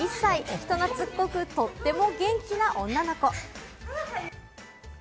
人懐っこく、とっても元気な女の子。